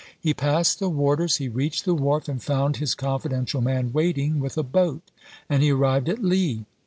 He passed the warders; he reached the wharf, and found his confidential man waiting with a boat; and he arrived at Lee.